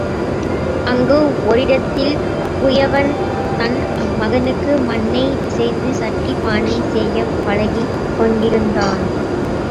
அங்கு ஒரிடத்தில் குயவன் தன் மகனுக்கு மண்ணைப் பிசைந்து சட்டி பானை செய்யப் பழகிக் கொண்டிருந்தான்.